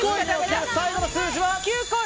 最後の数字は。